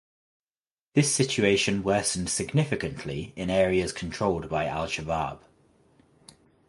This situation worsened significantly in areas controlled by Al Shabaab.